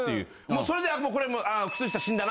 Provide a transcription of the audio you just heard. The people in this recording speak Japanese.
もうそれでこれ。